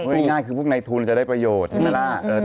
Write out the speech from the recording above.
ไม่ง่ายคือคุณในทุนจะได้ประโยชน์